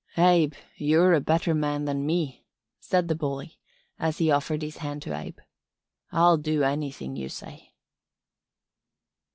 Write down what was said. "'Abe, you're a better man than me,' said the bully, as he offered his hand to Abe. 'I'll do anything you say.'"